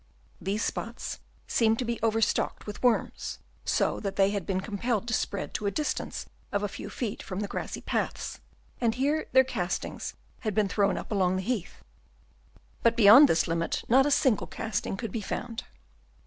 These spots seemed to be overstocked with worms, so that they had been compelled to spread to a distance of a few feet from the grassy paths, and here their castings had been thrown up among the heath ; but beyond this limit, not a single casting could be found.